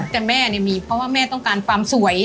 แต่แม่เนี่ยมีเพราะว่าแม่ต้องการความสวย